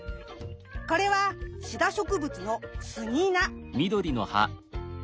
これはシダ植物のスギナ。